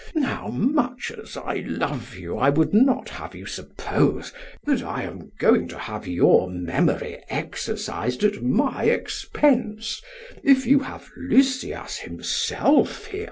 Now, much as I love you, I would not have you suppose that I am going to have your memory exercised at my expense, if you have Lysias himself here.